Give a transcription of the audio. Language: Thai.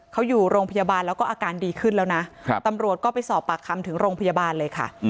เขาอยู่โรงพยาบาลแล้วก็อาการดีขึ้นแล้วนะตำรวจก็ไปสอบปากคำถึงโรงพยาบาลเลยค่ะ